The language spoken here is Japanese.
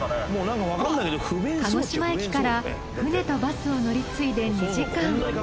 鹿児島駅から船とバスを乗り継いで２時間。